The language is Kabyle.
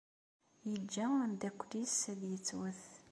Yeǧǧa ameddakel-nnes ad yettwet.